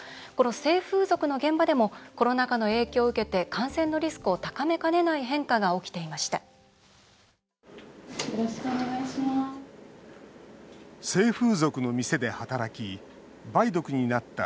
性風俗の現場でもコロナ禍の影響を受けてリスクを高めかねない変化が起きていました。